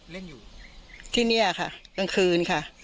เล่นอยู่ที่นี่ค่ะกลางคืนค่ะ